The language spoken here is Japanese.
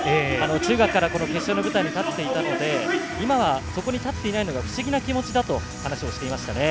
中学から決勝の舞台に立っていたので今はそこに立っていないのが不思議な気持ちだと話していましたね。